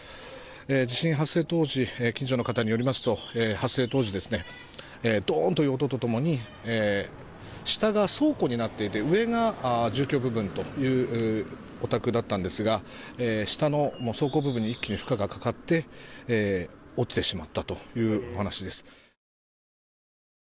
地震発生当時近所の方によりますとドンという音と共に下が倉庫になっていて上が住居部分というお宅だったんですが下の倉庫部分に一気に負荷がかかって落ちてしまったというお話です。